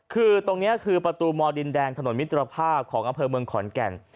คือตรงนี้คือประตูมดินแดงถนนมิตรภาพของอำเภอเมืองขอนแก่น